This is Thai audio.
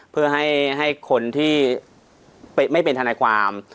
เพื่อให้คนที่ไม่เป็นทนายความ